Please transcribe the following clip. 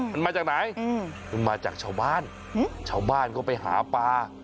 มันมาจากไหนมันมาจากชาวบ้านชาวบ้านก็ไปหาปลา